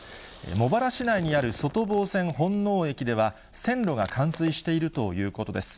茂原市内にある外房線本納駅では、線路が冠水しているということです。